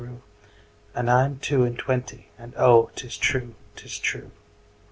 'And I am two and twenty, And oh, 'tis true, 'tis true.